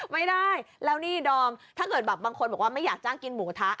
ไม่ได้แล้วนี่ดอมถ้าเกิดแบบบางคนบอกว่าไม่อยากจ้างกินหมูกระทะ